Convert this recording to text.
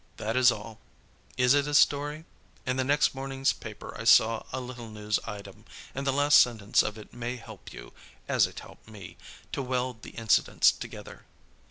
That is all. Is it a story? In the next morning's paper I saw a little news item, and the last sentence of it may help you (as it helped me) to weld the incidents together.